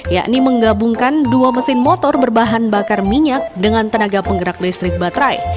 yakni menggabungkan dua mesin motor berbahan bakar minyak dengan tenaga penggerak listrik baterai